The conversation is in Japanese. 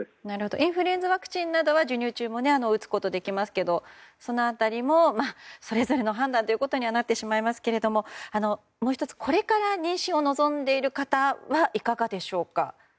インフルエンザワクチンなどは授乳中にも打てますがその辺りもそれぞれの判断ということにはなってしまいますけれどももう１つこれから妊娠を望んでいる方はいかがでしょうか。